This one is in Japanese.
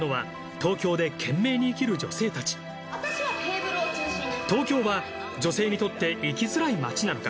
そんなかえの元に東京は女性にとって生きづらい街なのか。